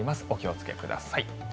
お気をつけください。